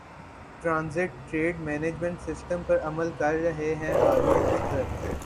transit trade management system پر عمل کر رہے ہیں ہارون اختر